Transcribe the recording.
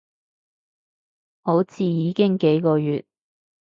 好似已經幾個月